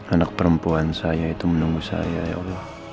anak perempuan saya itu menunggu saya ya allah